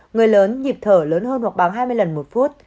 người lớn nhịp thở lớn hơn hoặc báo hai mươi lần một phút